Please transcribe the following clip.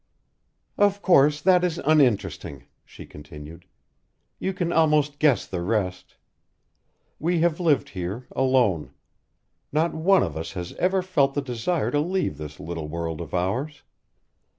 "Of course, that is uninteresting," she continued. "You can almost guess the rest. We have lived here alone. Not one of us has ever felt the desire to leave this little world of ours.